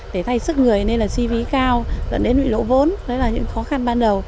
để thay sản xuất